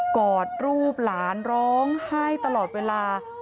กอดรูปหลานร้องไห้ตลอดเวลา